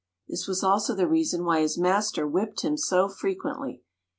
This was also the reason why his master whipped him so frequently.